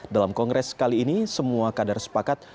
dalam kongres kali ini semua kader sepakat